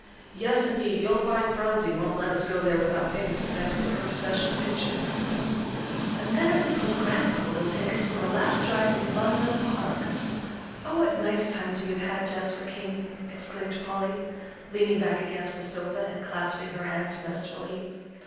Yes, indeed, you'll find Phronsie won't let us go there without paying respects to her special picture." "And then I suppose Grandpapa will take us for a last drive in Vondel Park. Oh, what nice times we have had, Jasper King!" exclaimed Polly, leaning back against the sofa, and clasping her hands restfully.